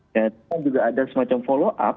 dan juga ada semacam follow up